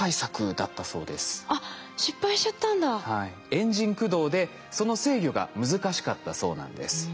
エンジン駆動でその制御が難しかったそうなんです。